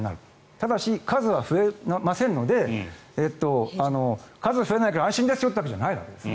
ただし、数は増えませんので数が増えないから安心ですよってわけじゃないです。